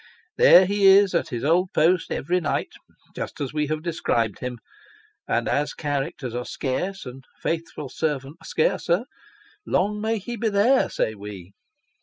There he is, at his old post every night, just as we have described him : and, as characters are scarce, and faithful servants scarcer, long may he be there, say we